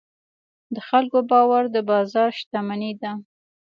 د خلکو باور د بازار شتمني ده.